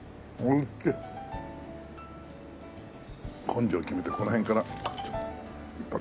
根性決めてこの辺から一発。